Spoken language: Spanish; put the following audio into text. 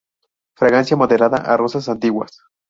Fragancia moderada a rosas antiguas.